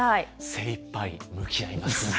精いっぱい向き合います。